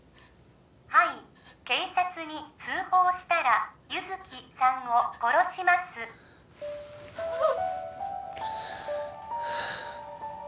はい警察に通報したら優月さんを殺しますああ